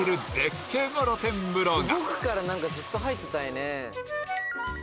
絶景の露天風呂が！